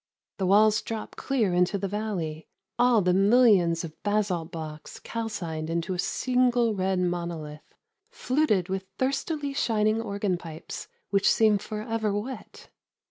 The walls drop clear into the valley, all the millions of basalt blocks calcined into a single red monolith, fluted with thirstily shining organ pipes, which seem for ever wet.